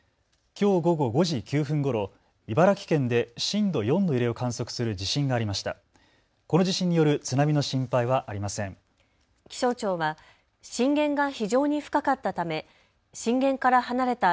きょう午後５時９分ごろ茨城県で震度４の揺れを観測する地震がありました。